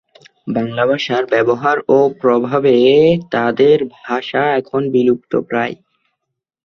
বাংলা ভাষার ব্যবহার ও প্রভাবে তাদের ভাষা এখন বিলুপ্তপ্রায়।